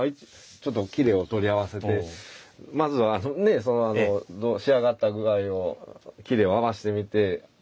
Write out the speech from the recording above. ちょっと裂を取り合わせてまずはね仕上がった具合を裂を合わせてみて。